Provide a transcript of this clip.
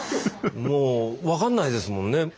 もう分かんないですもんね。